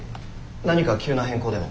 何か急な変更でも？